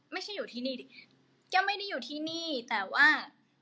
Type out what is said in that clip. ไม่ใช่อยู่ที่นี่ก็ไม่ได้อยู่ที่นี่แต่ว่า